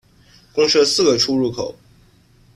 共设四个出入口。